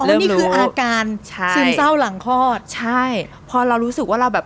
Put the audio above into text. แล้วนี่คืออาการใช่ซึมเศร้าหลังคลอดใช่พอเรารู้สึกว่าเราแบบ